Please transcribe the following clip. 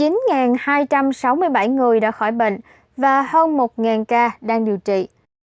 chín hai trăm sáu mươi bảy người đã khỏi bệnh và hơn một ca đang điều trị